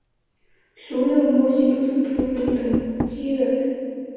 所有模型都是图灵等价的。